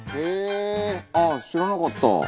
ああ知らなかった」